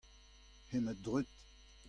hemañ dreut.